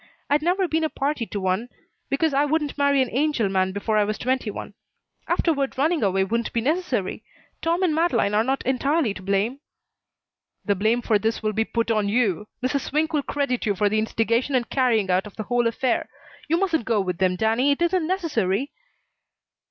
I'd never be a party to one, because I wouldn't marry an angel man before I was twenty one. Afterward running away wouldn't be necessary. Tom and Madeleine are not entirely to blame." "The blame for this will be put on you. Mrs. Swink will credit you with the instigation and carrying out of the whole affair. You mustn't go with them, Danny. It isn't necessary."